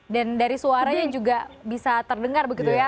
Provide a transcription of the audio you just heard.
dan dari suaranya juga bisa terdengar begitu ya